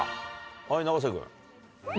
はい永瀬君。